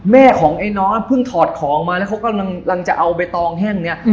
แม่ของไอ้น้องเพิ่งถอดของมาแล้วเขากำลังจะเอาใบตองแห้งเนี่ย